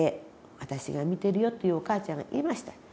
私が見てるよ」って言うお母ちゃんがいました。